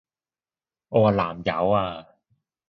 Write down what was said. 我話南柚啊！